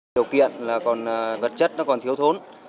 điều kiện là còn vật chất nó còn thiếu thốn